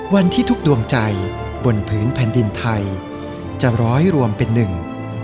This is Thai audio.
วันที่ทุกดวงใจบนพื้นแผ่นดินไทยจะร้อยรวมเป็นหนึ่ง